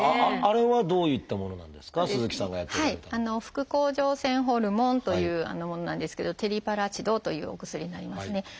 「副甲状腺ホルモン」というものなんですけど「テリパラチド」というお薬になりますね。